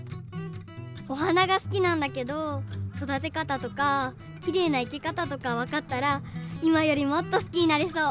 おはながすきなんだけどそだてかたとかきれいないけかたとかわかったらいまよりもっとすきになりそう！